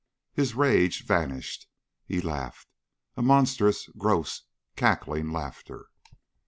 His rage vanished. He laughed, a monstrous, gross, cackling laughter.